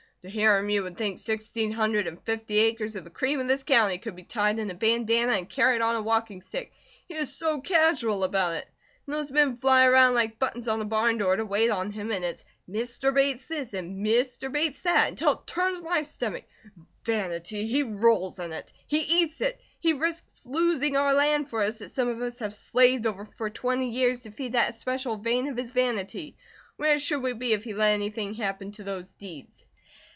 To hear him you would think sixteen hundred and fifty acres of the cream of this county could be tied in a bandanna and carried on a walking stick, he is so casual about it. And those men fly around like buttons on a barn door to wait on him and it's 'Mister Bates this' and 'Mister Bates that,' until it turns my stomach. Vanity! He rolls in it! He eats it! He risks losing our land for us that some of us have slaved over for twenty years, to feed that especial vein of his vanity. Where should we be if he let anything happen to those deeds?"